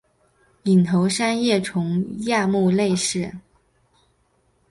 隐头三叶虫亚目类似。